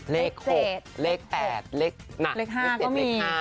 เลข๖เลข๘เลข๕ก็มี